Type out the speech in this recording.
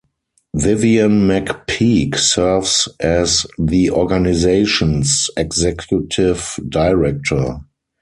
Vivian McPeak serves as the organization's executive director.